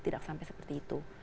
tidak sampai seperti itu